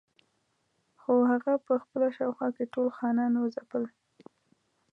خو هغه په خپله شاوخوا کې ټول خانان وځپل.